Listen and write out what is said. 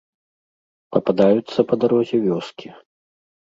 Пападаюцца па дарозе вёскі.